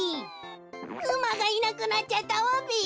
うまがいなくなっちゃったわべ。